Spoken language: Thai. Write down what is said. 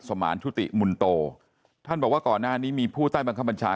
มานชุติมุนโตท่านบอกว่าก่อนหน้านี้มีผู้ใต้บังคับบัญชา